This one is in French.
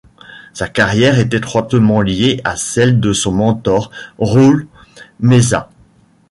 Sa carrière est étroitement liée à celle de son mentor, Raúl Mesa.